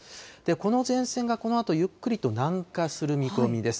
この前線がこのあとゆっくりと南下する見込みです。